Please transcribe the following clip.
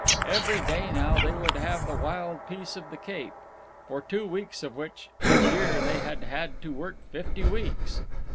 Every day now they would have the wild peace of the Cape, for two weeks of which, each year, they had had to work fifty weeks.